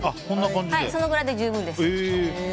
そのぐらいで十分ですよ。